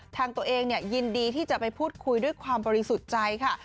ทางตัวเองยินดีที่จะไปพูดคุยด้วยความบริสุทธิ์ใจค่ะ